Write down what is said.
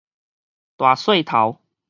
大細頭